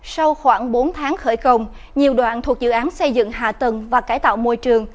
sau khoảng bốn tháng khởi công nhiều đoạn thuộc dự án xây dựng hạ tầng và cải tạo môi trường